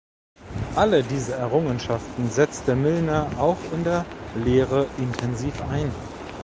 Alle diese Errungenschaften setzte Milner auch in der Lehre intensiv ein.